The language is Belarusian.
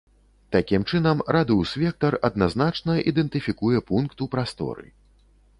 Такім чынам, радыус-вектар адназначна ідэнтыфікуе пункт у прасторы.